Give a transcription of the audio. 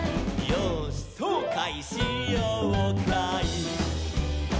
「よーしそうかいしようかい」